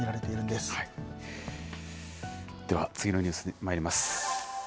では、次のニュースにまいります。